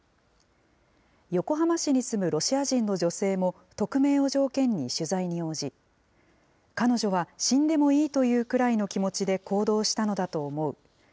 横浜市に住むロシア人の女性も、匿名を条件に取材に応じ、彼女は死んでもいいというくらいの気持ちで行動したのだと思う。